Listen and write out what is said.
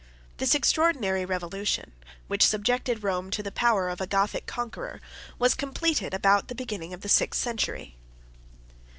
This extraordinary revolution, which subjected Rome to the power of a Gothic conqueror, was completed about the beginning of the sixth century.